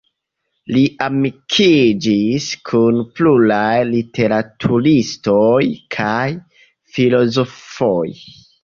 Li amikiĝis kun pluraj literaturistoj kaj filozofoj.